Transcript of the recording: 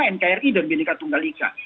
nkri dan bineka tunggal ika